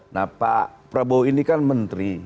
nah pak prabowo ini kan menteri